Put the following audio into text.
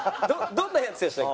どんなやつでしたっけ？